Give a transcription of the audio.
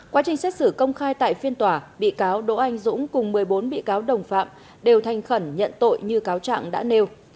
quá trình xét xử công khai tại phiên tòa bị cáo đỗ anh dũng cùng một mươi bốn bị cáo đồng phạm đều thanh khẩn nhận tội như cáo trạng đã nêu